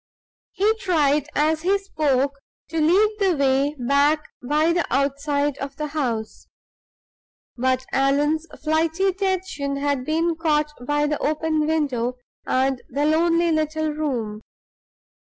He tried, as he spoke, to lead the way back by the outside of the house; but Allan's flighty attention had been caught by the open window and the lonely little room.